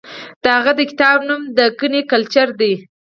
د هغه د کتاب نوم دکني کلچر دی.